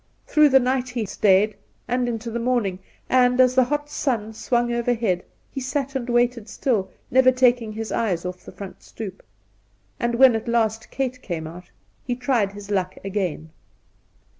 Through the night he stayed, and into the morning, and as the hot sun swung over head he sat and waited still, never taking his eyes off the front stoep. And when at last Kate came out he tried his luck again.